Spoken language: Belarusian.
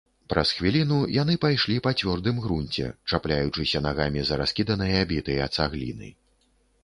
Праз хвіліну яны пайшлі па цвёрдым грунце, чапляючыся нагамі за раскіданыя бітыя цагліны.